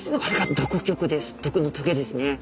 毒の棘ですね。